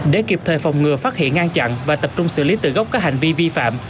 để kịp thời phòng ngừa phát hiện ngăn chặn và tập trung xử lý từ gốc các hành vi vi phạm